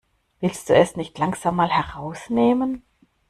Willst du es nicht langsam mal herausnehmen?